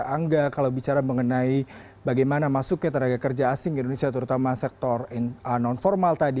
angga kalau bicara mengenai bagaimana masuknya tenaga kerja asing ke indonesia terutama sektor non formal tadi